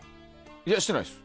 いや、してないです。